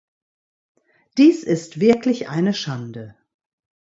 Dies ist wirklich eine Schande.